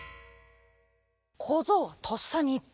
こぞうはとっさにいった。